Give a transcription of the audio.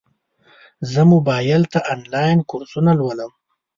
زه موبایل ته انلاین کورسونه لولم.